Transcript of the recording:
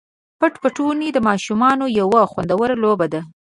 پټ پټوني د ماشومانو یوه خوندوره لوبه ده.